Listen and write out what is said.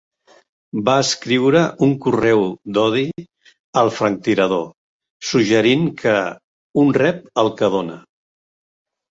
Va escriure un correu d"odi al franctirador, suggerint que "un rep el que dóna".